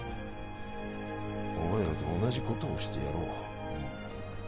お前らと同じことをしてやろううん